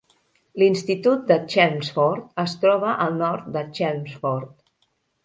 L'Institut de Chelmsford es troba al nord de Chelmsford.